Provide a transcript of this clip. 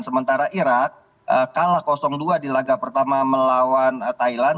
sementara irak kalah dua di laga pertama melawan thailand